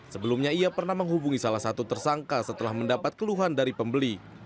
sebelumnya ia pernah menghubungi salah satu tersangka setelah mendapat keluhan dari pembeli